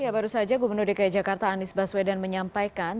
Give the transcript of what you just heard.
ya baru saja gubernur dki jakarta anies baswedan menyampaikan